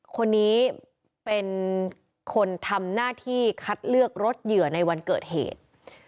คนนี้เป็นคนทำหน้าที่คัดเลือกรถเหยื่อในวันเกิดเหตุ